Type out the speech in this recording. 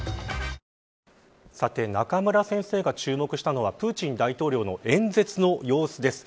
さて、中村先生が注目したのはプーチン大統領の演説の様子です。